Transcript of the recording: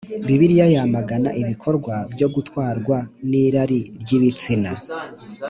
Bibiliya yamagana ibikorwa byo gutwarwa n irari ry ibitsina